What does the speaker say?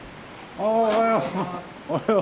あおはよう。